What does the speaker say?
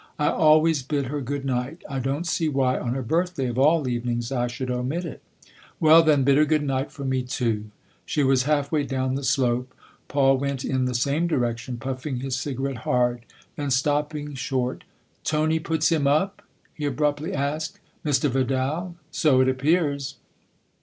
" I always bid her ' Good night/ I don't see why on her birthday, of all evenings I should omit it." "Well, then, bid her ' Good night ' for me too." She was halfway down the slope ; Paul went in the same direction, puffing his cigarette hard. Then, stopping short, " Tony puts him up ?" he abruptly asked. " Mr. Vidal ? So it appears."